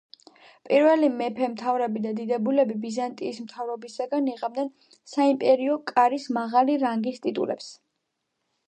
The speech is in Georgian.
ქართველი მეფე-მთავრები და დიდებულები ბიზანტიის მთავრობისაგან იღებდნენ საიმპერიო კარის მაღალი რანგის ტიტულებს.